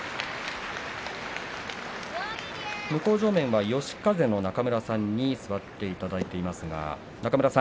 向正面は嘉風の中村さんに座っていただいています。